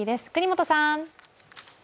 國本さん。